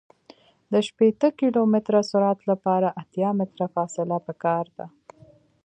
د شپیته کیلومتره سرعت لپاره اتیا متره فاصله پکار ده